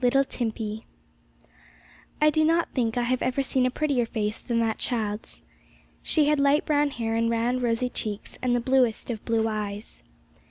LITTLE TIMPEY. I do not think I have ever seen a prettier face than that child's. She had light brown hair, and round rosy cheeks, and the bluest of blue eyes.